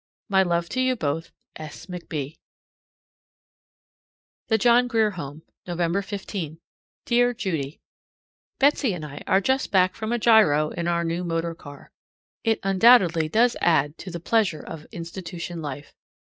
My love to you both. S. McB. THE JOHN GRIER HOME, November 15. Dear Judy: Betsy and I are just back from a GIRO in our new motor car. It undoubtedly does add to the pleasure of institution life.